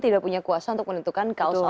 tidak punya kuasa untuk menentukan kaos